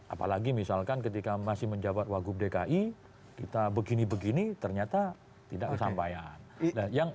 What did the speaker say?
apalagi misalkan ketika masih menjabat wagub dki kita begini begini ternyata tidak kesampaian